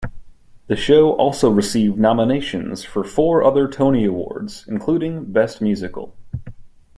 The show also received nominations for four other Tony Awards, including Best Musical.